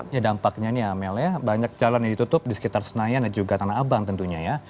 ya dampaknya nih amel ya banyak jalan yang ditutup di sekitar senayan dan juga tanah abang tentunya ya